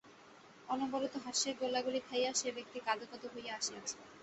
অনবরত হাস্যের গোলাগুলি খাইয়া সে ব্যক্তি কাঁদো কাঁদো হইয়া আসিয়াছে।